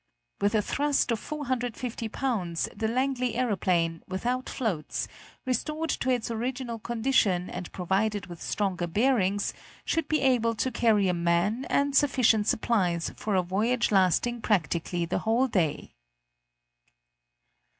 With a thrust of 450 pounds, the Langley aeroplane, without floats, restored to its original condition and provided with stronger bearings, should be able to carry a man and sufficient supplies for a voyage lasting practically the whole day.